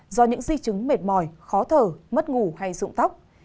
do những di chứng mệt mỏi khó thở mất ngủ hay dụng tóc